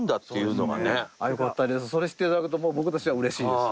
それ知って頂くと僕としては嬉しいです。